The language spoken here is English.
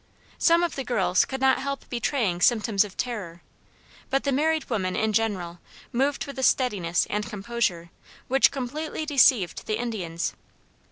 Some of the girls could not help betraying symptoms of terror, but the married women, in general, moved with a steadiness and composure which completely deceived the Indians.